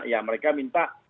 ya mereka minta